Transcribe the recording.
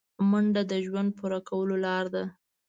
منډه د ژوند پوره کولو لاره ده